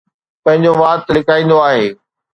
پنهنجو وات لڪائيندو آهي.